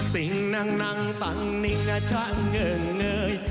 ติ้งนั่งนั่งตังนิงอาชะเงินเงย